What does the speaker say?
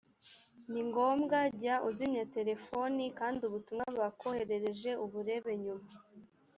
ni ngombwa jya uzimya terefoni kandi ubutumwa bakoherereje uburebe nyuma.